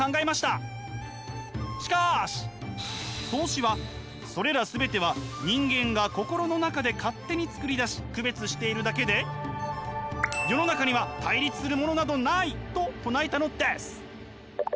しかし荘子はそれらすべては人間が心の中で勝手に作り出し区別しているだけで「世の中には対立するものなど無い」と唱えたのです。